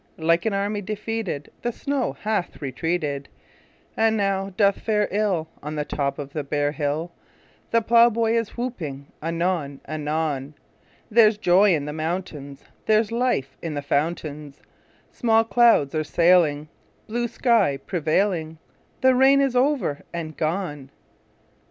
Like an army defeated The snow hath retreated, And now doth fare ill On the top of the bare hill; The plowboy is whooping anon anon: There's joy in the mountains; There's life in the fountains; Small clouds are sailing, Blue sky prevailing; The rain is over and gone!